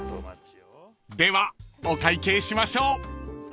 ［ではお会計しましょう］